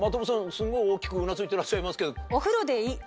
すんごい大きくうなずいてらっしゃいますけど。